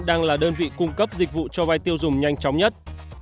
đang là đơn vị cung cấp dịch vụ cho vai tiêu dùng nhanh chóng nhất